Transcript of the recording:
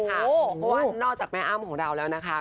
เพราะว่านอกจากแม่อ้ำของเราแล้วนะคะ